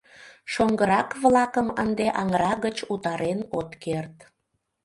Шоҥгырак-влакым ынде аҥыра гыч утарен от керт.